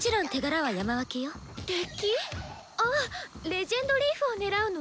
あっ「レジェンドリーフ」を狙うの？